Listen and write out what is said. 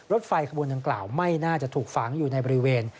รถไฟขบวนดังกล่าวไม่น่าจะถูกฝังอยู่ในบริเวณ